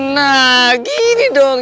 nah gini dong